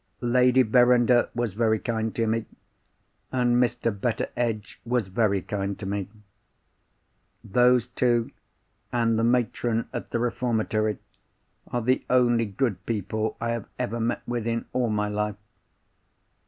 "Lady Verinder was very kind to me, and Mr. Betteredge was very kind to me. Those two, and the matron at the reformatory, are the only good people I have ever met with in all my life.